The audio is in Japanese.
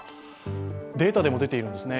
データでも出ているんですね。